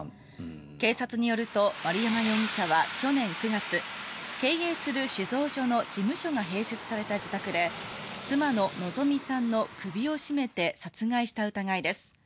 警察によると丸山容疑者は去年９月経営する酒造所の事務所が併設された自宅で妻の希美さんの首を絞めて殺害した疑いです。